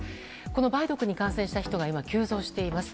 この梅毒に感染した人が今、急増しています。